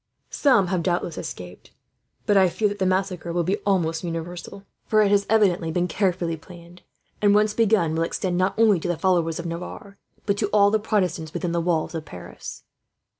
"Some have doubtless escaped; but I fear that the massacre will be almost universal, for it has evidently been carefully planned and, once begun, will extend not only to the followers of Navarre, but to all the Protestants within the walls of Paris."